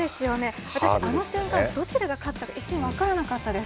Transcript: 私、あの瞬間どちらが勝ったのか一瞬分からなかったです。